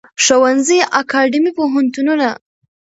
ښوونځی اکاډیمی پوهنتونونه